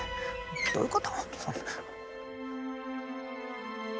どういうこと？